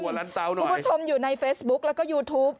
คุณผู้ชมอยู่ในเฟซบุ๊กแล้วก็ยูทูป